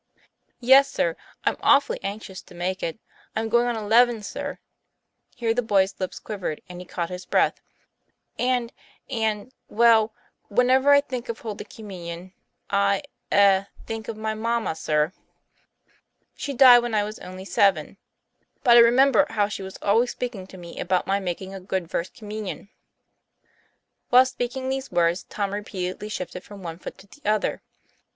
"Yes, sir; I'm awful anxious to make it. I'm going on eleven, sir," here the boy's lips quivered, and he caught his breath "and and well, when ever I think of Holy Communion, I eh think of my mamma, sir. She died when I was only seven. But I remember how she was always speaking to me about my making a good First Communion." Whilst speaking these words, Tom repeatedly shifted from one foot to the other.